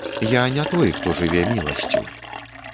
Я не той, хто жыве міласцю.